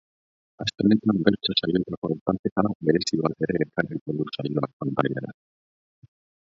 Aste honetan bertso saioetako hautaketa berezi bat ere ekarriko du saioak pantailara.